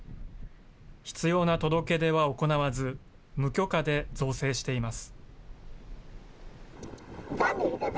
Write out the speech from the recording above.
必要な届け出は行わず、無許可で造成しています。